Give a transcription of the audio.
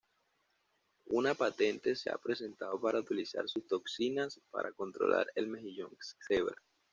Una patente se ha presentado para utilizar sus toxinas para controlar el mejillón cebra.